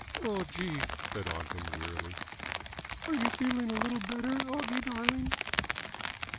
"Oh, Gee," said Ogden wearily. "Are you feeling a little better, Oggie darling?"